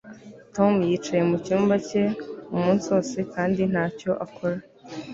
Tom yicaye mucyumba cye umunsi wose kandi ntacyo akora